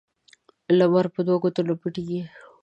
لمر په دوو گوتو نه پټېږي.